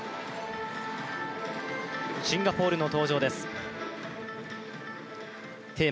シンガポールの登場です。